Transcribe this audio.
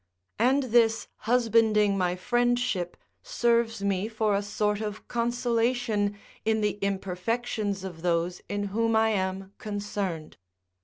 And this husbanding my friendship serves me for a sort of consolation in the imperfections of those in whom I am concerned.